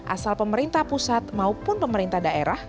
asal pemerintah pusat maupun pemerintah daerah